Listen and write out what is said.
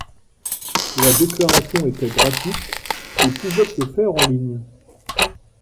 La déclaration était gratuite et pouvait se faire en ligne.